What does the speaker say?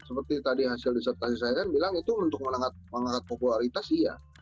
seperti hasil tersedia saya tadi bilang itu untuk mengangkat popularitas iya